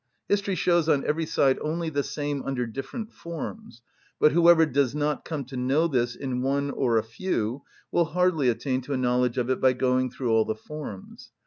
History shows on every side only the same under different forms; but whoever does not come to know this in one or a few will hardly attain to a knowledge of it by going through all the forms.